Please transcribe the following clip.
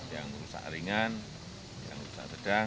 yang rusak ringan yang rusak sedang